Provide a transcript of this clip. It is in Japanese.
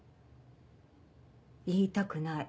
言いたくない。